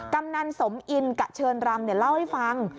กำนันสมอินกะเชิญรำเล่าให้ฟัง